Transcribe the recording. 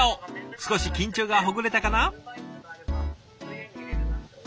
少し緊張がほぐれたかな？